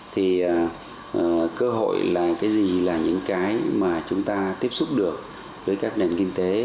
thì cơ hội là cái gì là những cái mà chúng ta tiếp xúc được với các nền kinh tế